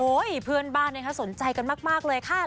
โอ้ยเพื่อนบ้านเนี่ยค่ะสนใจกันมากเลยค่ะ